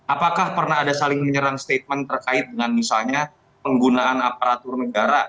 apakah pernah ada saling menyerang statement terkait dengan misalnya penggunaan aparatur negara